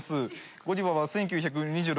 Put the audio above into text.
ゴディバは１９２６年から」。